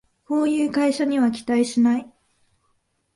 こういう会社には期待しない